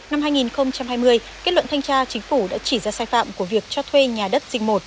năm hai nghìn hai mươi kết luận thanh tra chính phủ đã chỉ ra sai phạm của việc cho thuê nhà đất dinh một